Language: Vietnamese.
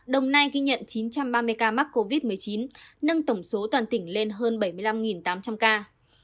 đồng nai ghi nhận chín trăm ba mươi ca mắc covid một mươi chín nâng tổng số toàn tỉnh lên hơn bảy mươi năm tám trăm linh ca